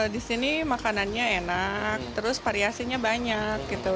di sini makanannya enak terus variasinya banyak gitu